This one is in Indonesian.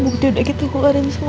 bukti udah kita keluarin semua